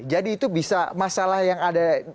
jadi itu bisa masalah yang ada